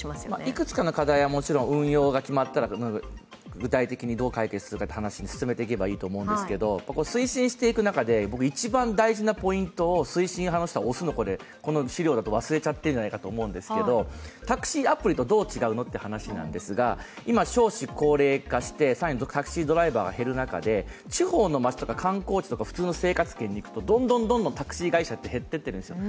いくつかの課題はもちろん運用が決まったら具体的にどう解決していくか、進めていけばいいと思うんですけれども、推進していく中で、僕一番大事なポイントを推進派の人は、推すのを忘れちゃってる気がするんですけれどもタクシーアプリとどう違うのかという話ですが今、少子高齢化して、更にタクシードライバーが減る中で地方の街とか観光地とか普通の生活圏に行くとどんどんタクシー会社は減っていっているんですよ。